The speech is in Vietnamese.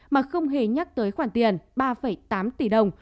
mà không hề nhắc tới khoản tiền ba tám tỷ đồng